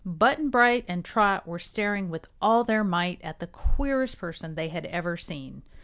Button Bright and Trot were staring with all their might at the queerest person they had ever seen.